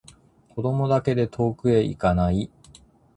子供だけで遠くへいかない